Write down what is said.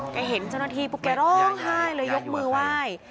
เห็นเจ้าหน้าที่ปุ๊บแกร้องไห้เลยยกมือไหว้